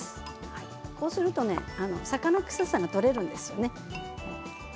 こうすると魚臭さが取れるんですよね。